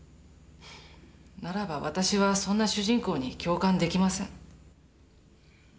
ならば私はそんな主人公に共感できません。